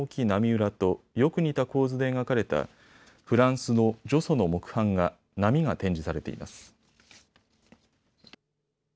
浪裏とよく似た構図で描かれたフランスのジョソの木版画、波が展示されています。